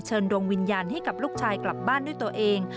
ดวงวิญญาณให้กับลูกชายกลับบ้านด้วยตัวเอง